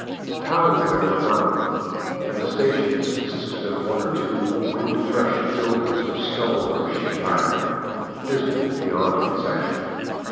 Towns there were none; and the stations consisted of one or two wind threshed buildings of stone or sheet iron, dismal beyond conception.